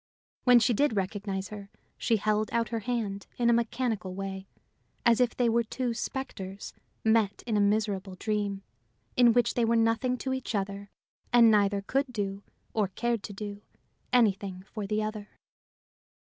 When she did recognize her, she held out her hand in a mechanical way, as if they were two specters met in a miserable dream, in which they were nothing to each other, and neither could do, or cared to do, anything for the other.